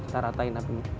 kita ratain apinya